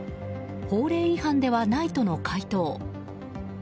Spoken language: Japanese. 法令違反ではないとの回答。